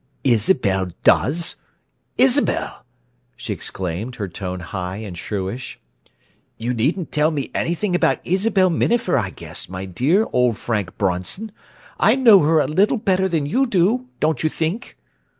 "Isabel does? Isabel!" she exclaimed, her tone high and shrewish. "You needn't tell me anything about Isabel Minafer, I guess, my dear old Frank Bronson! I know her a little better than you do, don't you think?"